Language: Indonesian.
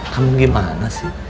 kamu gimana sih